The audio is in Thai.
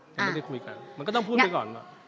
ยังไม่ได้คุยกันมันก็ต้องพูดไปก่อนว่า